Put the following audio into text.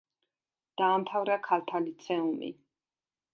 დაამთავრა ქალთა ლიცეუმი.